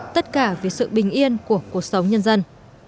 tất cả vì sự bình yên của cuộc sống nhân dân